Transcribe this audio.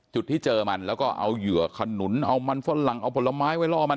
จุดที่เจอมันแล้วก็เอาเหยื่อขนุนเอามันฝรั่งเอาผลไม้ไว้ล่อมัน